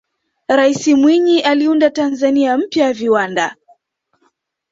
raisi mwinyi aliunda tanzania mpya ya viwanda